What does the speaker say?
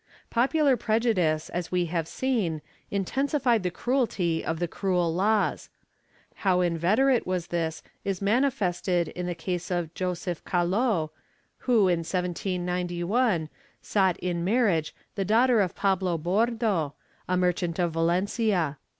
^ Popular prejudice, as we have seen, intensified the cruelty of the cruel laws. How inveterate was this is manifested in the case of Josef Calot who, in 1791, sought in marriage the daughter of Pablo Bordo, a merchant of "\^alencia.